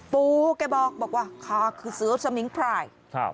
ปูแกบอกว่าขาคือเสือสมิงพราย